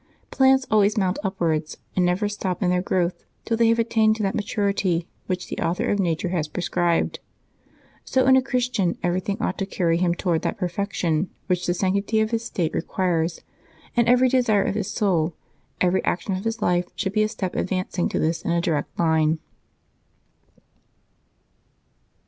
Plants always mount upwards, and never stop in their growth till they have attained to that maturity which the Author of nature has prescribed. So in a ChristiaUj everything ought to carry him toward that perfection which the sanctity of his state requires; and every desire of his soul, every action of his life should be a step ad vancing to this in a direct line.